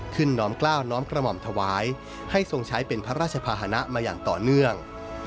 น้อมกล้าวน้อมกระหม่อมถวายให้ทรงใช้เป็นพระราชภาษณะมาอย่างต่อเนื่อง